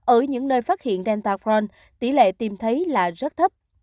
ở những nơi phát hiện delta crohn tỉ lệ tìm thấy là rất thấp